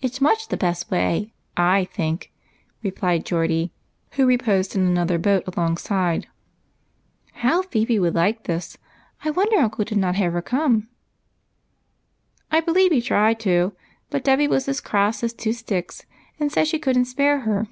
It 's much the best way, I think," replied Geordie, who reposed in another boat alongside. " How Phebe would Uke this ! I wonder uncle did not have her come." " I believe he tried to, but Dolly was as cross as two sticks, and said she could n't spare her.